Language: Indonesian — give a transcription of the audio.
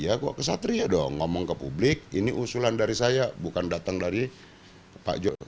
ya kok kesatria dong ngomong ke publik ini usulan dari saya bukan datang dari pak jokowi